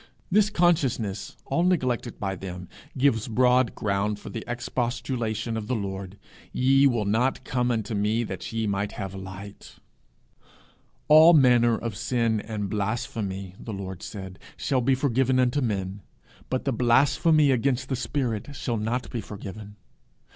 This consciousness, all neglected by them, gives broad ground for the expostulation of the Lord 'Ye will not come unto me that ye might have life!' 'All manner of sin and blasphemy,' the Lord said, 'shall be forgiven unto men; but the blasphemy against the spirit shall not be forgiven.'